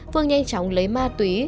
phương nhanh chóng lấy ma túy